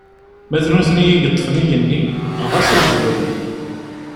Ma d nutni i yeṭṭfen igenni, ɣas ad s-d-brun!